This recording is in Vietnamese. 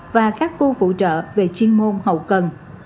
và các khu phụ trợ về chuyên môn hậu cần